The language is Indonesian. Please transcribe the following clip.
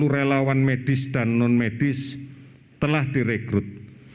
tujuh belas satu ratus sembilan puluh relawan medis dan non medis telah direkrut